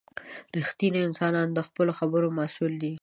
• رښتینی انسان د خپلو خبرو مسؤل وي.